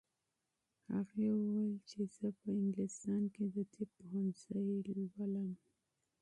هغې وویل چې زه په انګلستان کې د طب پوهنځی لولم.